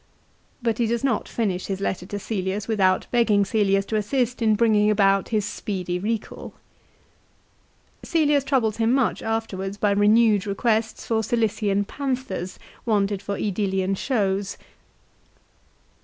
2 But he does not finish his letter to Cselius without begging Cselius to assist in bringing about his speedy recal. Cselius troubles him much afterwards by renewed requests for Cilician panthers wanted for ^Edilian shows.